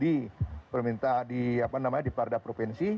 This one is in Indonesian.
di pemerintah di apa namanya di pardah provinsi